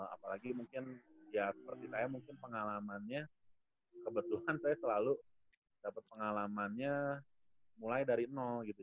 apalagi mungkin ya seperti saya mungkin pengalamannya kebetulan saya selalu dapat pengalamannya mulai dari nol gitu